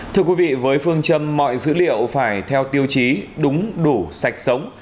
thưa quý vị với phương châm mọi dữ liệu phải theo tiêu chí đúng đủ sạch sống